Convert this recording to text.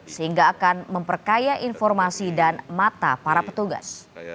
sehingga akan memperkaya informasi dan mata para petugas